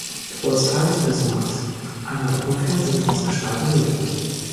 Geburtstages Bismarcks“ eine auch im Fernsehen ausgestrahlte Rede.